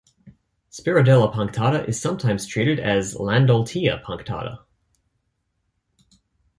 "Spirodela punctata" is sometimes treated as "Landoltia punctata".